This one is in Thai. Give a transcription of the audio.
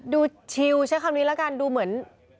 ชิลใช้คำนี้แล้วกันดูเหมือน